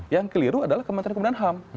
yang keliru adalah kementerian kemudian ham